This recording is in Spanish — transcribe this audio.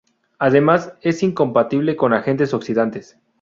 Además, es incompatible con agentes oxidantes.